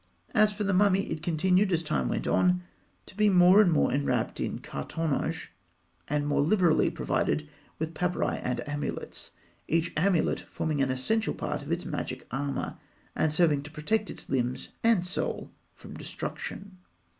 As for the mummy, it continued, as time went on, to be more and more enwrapped in cartonnage, and more liberally provided with papyri and amulets; each amulet forming an essential part of its magic armour, and serving to protect its limbs and soul from destruction.